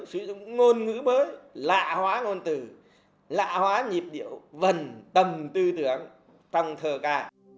sử dụng ngôn ngữ mới lạ hóa ngôn từ lạ hóa nhịp điệu vần tầm tư tưởng tầm thơ ca